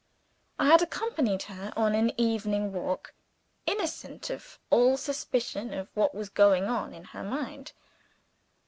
I had accompanied her on an evening walk, innocent of all suspicion of what was going on in her mind.